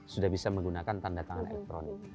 sudah bisa menggunakan tanda tangan elektronik